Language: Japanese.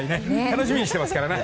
楽しみにしていますからね。